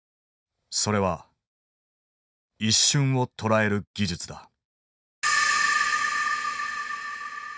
それは一瞬をとらえる技術だ。